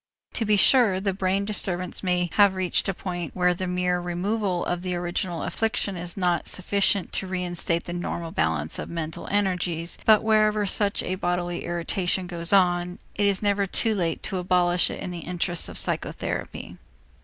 To be sure, the brain disturbance may have reached a point where the mere removal of the original affliction is not sufficient to reinstate the normal balance of mental energies, but wherever such a bodily irritation goes on, it is never too late to abolish it in the interests of psychotherapy.